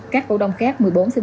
các cổ đồng khác một mươi bốn một